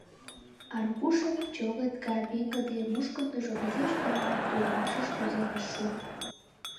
— Аркушын чӧгыт гай пеҥгыде мушкындыжо изиш гына туврашыш кӱзен ыш шу.